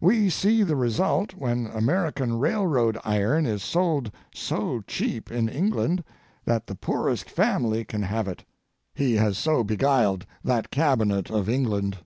We see the result when American railroad iron is sold so cheap in England that the poorest family can have it. He has so beguiled that Cabinet of England.